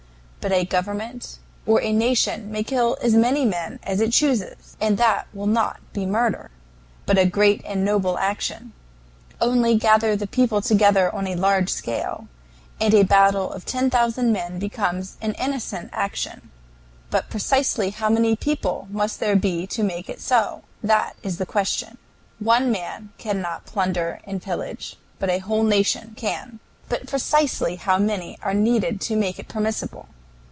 But a government or a nation may kill as many men as it chooses, and that will not be murder, but a great and noble action. Only gather the people together on a large scale, and a battle of ten thousand men becomes an innocent action. But precisely how many people must there be to make it so? that is the question. One man cannot plunder and pillage, but a whole nation can. But precisely how many are needed to make it permissible?